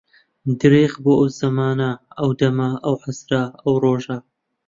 درێخ بۆ ئەو زەمانە، ئەو دەمە، ئەو عەسرە، ئەو ڕۆژە